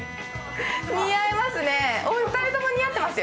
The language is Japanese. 似合いますね。